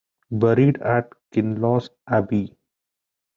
Buried at Kinloss Abbey.